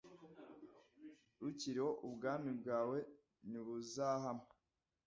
ukiriho ubwami bwawe ntibuzahama